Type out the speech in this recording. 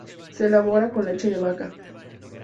Se elabora con leche de vaca.